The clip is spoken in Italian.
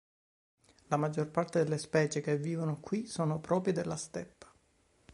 La maggior parte delle specie che vivono qui sono proprie della steppa.